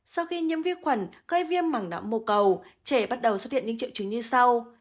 sau khi nhiễm viên khuẩn gây viên mảng nã mô cầu trẻ bắt đầu xuất hiện những triệu chứng như sau